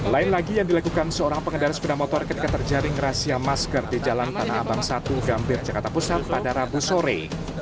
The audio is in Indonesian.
lain lagi yang dilakukan seorang pengendara sepeda motor ketika terjaring rahasia masker di jalan tanah abang satu gambir jakarta pusat pada rabu sore